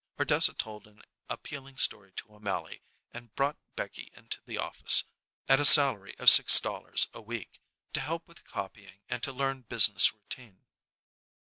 Ardessa told an appealing story to O'Mally, and brought Becky into the office, at a salary of six dollars a week, to help with the copying and to learn business routine.